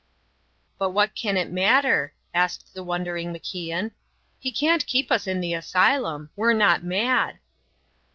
"But what can it matter?" asked the wondering MacIan. "He can't keep us in the asylum. We're not mad."